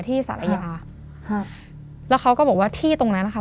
สารยาครับแล้วเขาก็บอกว่าที่ตรงนั้นนะคะ